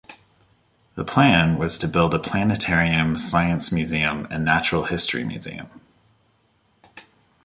The plan was to build a planetarium, science museum, and natural history museum.